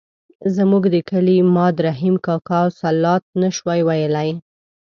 زموږ د کلي ماد رحیم کاکا الصلواة نه شوای ویلای.